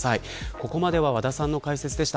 ここまでは和田さんの解説でした。